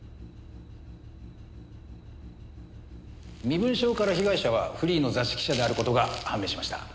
身分証から被害者はフリーの雑誌記者である事が判明しました。